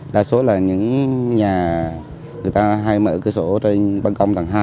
đa số là những nhà người ta hay mở cửa sổ trên băng cống